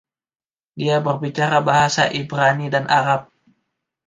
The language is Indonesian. Dia berbicara bahasa Ibrani dan Arab.